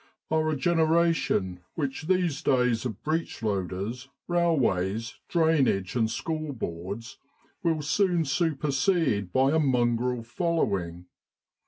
are a generation which these days of breechloaders, railways, drainage, and School Boards will soon supersede by a mongrel following.